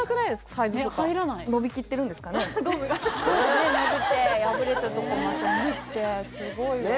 そうだね伸びて破れたとこまた縫ってすごいわね